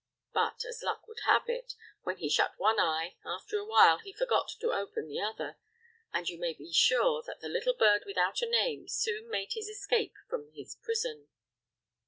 But as luck would have it, when he shut one eye, after a while, he forgot to open the other, and you may be sure the little bird without a name soon made his escape from his prison.